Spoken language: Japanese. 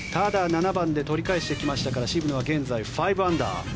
７番で取り返してきましたから渋野は現在５アンダー。